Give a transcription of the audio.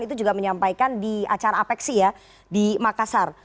itu juga menyampaikan di acara apeksi ya di makassar